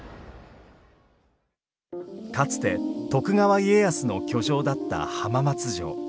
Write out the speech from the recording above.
かつて徳川家康の居城だった浜松城。